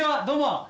どうも！